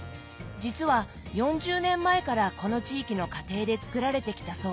実は４０年前からこの地域の家庭で作られてきたそうです。